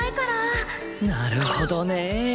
なるほどね？